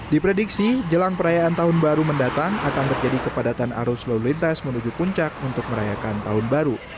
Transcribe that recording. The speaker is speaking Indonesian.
diprediksi jelang perayaan tahun baru mendatang akan terjadi kepadatan arus lalu lintas menuju puncak untuk merayakan tahun baru